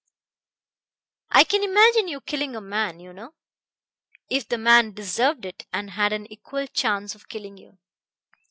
I can imagine you killing a man, you know ... if the man deserved it and had an equal chance of killing you.